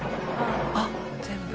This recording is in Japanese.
あっ全部。